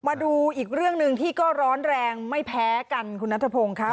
มาดูอีกเรื่องหนึ่งที่ก็ร้อนแรงไม่แพ้กันคุณนัทพงศ์ค่ะ